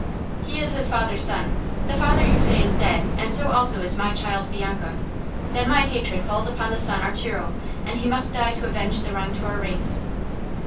"He is his father's son. The father, you say, is dead, and so also is my child Bianca. Then my hatred falls upon the son Arturo, and he must die to avenge the wrong to our race."